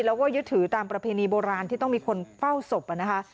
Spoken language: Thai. แล้วก็ยึดถือตามประเพณีโบราณที่ต้องมีคนเฝ้าศพนะคะ